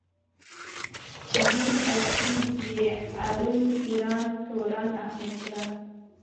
چې هند او سندھ ئې ايلول ايران توران احمد شاه